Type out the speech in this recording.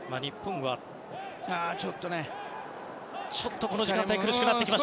ちょっとこの時間帯苦しくなってきました。